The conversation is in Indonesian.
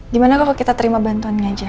gimana kalau kita terima bantuannya aja